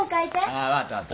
ああ分かった分かった。